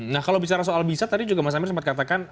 nah kalau bicara soal bisa tadi juga mas amir sempat katakan